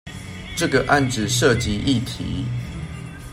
這個案子涉及議題